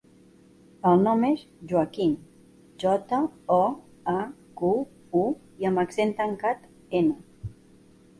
El nom és Joaquín: jota, o, a, cu, u, i amb accent tancat, ena.